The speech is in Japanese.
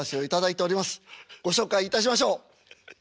ご紹介いたしましょう。